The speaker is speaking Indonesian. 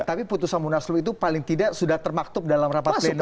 tapi putusan munaslup itu paling tidak sudah termaktub dalam rapat pleno itu tadi ya